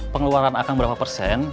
pengeluaran a kang berapa persen